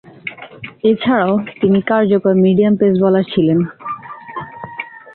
এছাড়াও তিনি কার্যকর মিডিয়াম পেস বোলার ছিলেন।